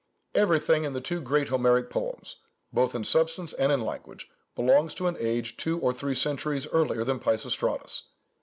Everything in the two great Homeric poems, both in substance and in language, belongs to an age two or three centuries earlier than Peisistratus.